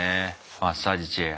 マッサージチェア。